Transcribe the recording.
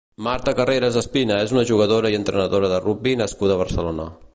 Marta Carreras Espina és una jugadora i entrenadora de rugbi nascuda a Barcelona.